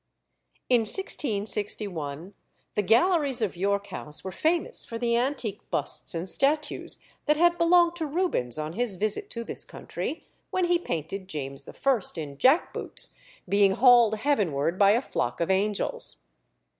In 1661 the galleries of York House were famous for the antique busts and statues that had belonged to Rubens on his visit to this country, when he painted James I. in jackboots being hauled heavenward by a flock of angels.